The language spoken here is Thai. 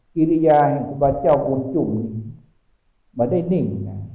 กิริยาให้บาเจ้าบุญจุมินมาได้นิ่ง